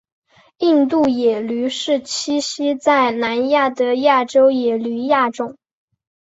印度野驴是栖息在南亚的亚洲野驴亚种。